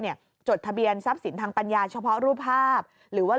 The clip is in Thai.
จดทะเบียนทรัพย์สินทางปัญญาเฉพาะรูปภาพหรือว่า